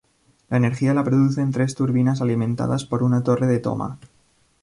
La energía la producen tres turbinas alimentadas por una torre de toma.